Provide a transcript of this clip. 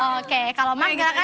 oke kalau mark